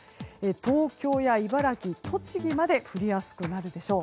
東京や茨城、栃木まで降りやすくなるでしょう。